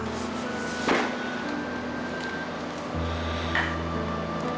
kamu mau tunggu